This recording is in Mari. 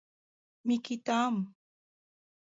Микитам!